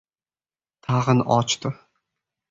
Tag‘in ochdi.